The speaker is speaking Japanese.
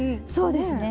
そうですね